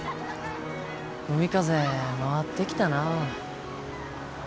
海風回ってきたなあ。